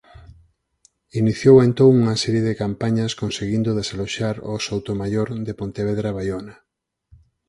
Iniciou entón unha serie de campañas conseguindo desaloxar aos Soutomaior de Pontevedra e Baiona.